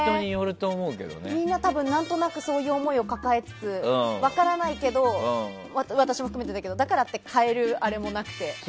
みんな、何となくそういう思いを抱えつつ分からないけど私も含めてだけどだからといって変えるわけにもいかなくて。